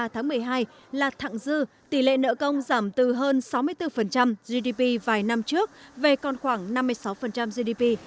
hai mươi tháng một mươi hai là thẳng dư tỷ lệ nợ công giảm từ hơn sáu mươi bốn gdp vài năm trước về còn khoảng năm mươi sáu gdp